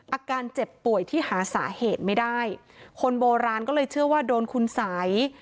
อาการเจ็บป่วยที่หาสาเหตุไม่ได้คนโบราณก็เลยเชื่อว่าโดนคุณสัย